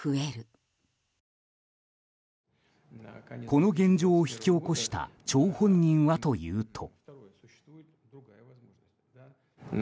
この現状を引き起こした張本人はというと。